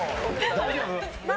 大丈夫？